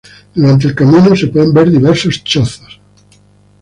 Durante el camino se pueden ver diversos chozos.